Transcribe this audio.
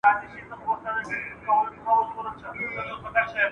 د څيړني په وخت کي باید بیدار اوسئ.